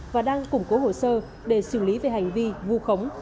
và đang củng cố hồ sơ để xử lý về hành vi vu khống